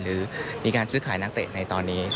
หรือมีการซื้อขายนักเตะในตอนนี้